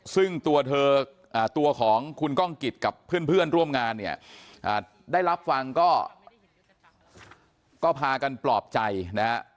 ซึ่งตัวเธอตัวของคุณก้องกิจกับเพื่อนร่วมงานเนี่ยได้รับฟังก็พากันปลอบใจนะฮะ